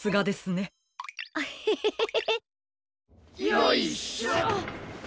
よいしょ。